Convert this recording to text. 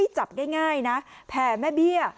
จับง่ายนะแผ่แม่เบี้ย